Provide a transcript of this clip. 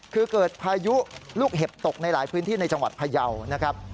คือเกิดพายุลูกเห็บตกในหลายพื้นที่ในจังหวัดพยาวนะครับ